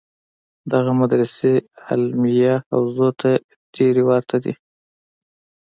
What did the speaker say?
دغه مدرسې علمیه حوزو ته ډېرې ورته دي.